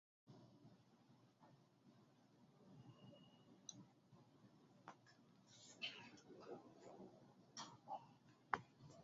El sitio se encuentra abierto como atracción turística.